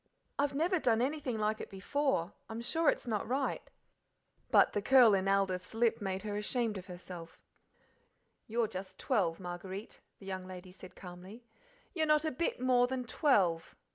"I've never done anything like it before. I'm sure it's not right." But the curl, in Aldith's lip made her ashamed of herself. "You're just twelve, Marguerite;" the young lady said calmly: "you're not a bit more than twelve.